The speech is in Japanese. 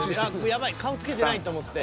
［やばい顔付けてないと思って］